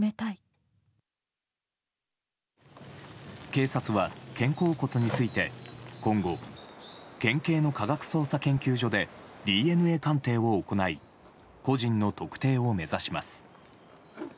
警察は肩甲骨について今後、県警の科学捜査研究所でＤＮＡ鑑定を行い個人の特定を目指します。